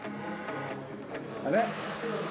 あれ？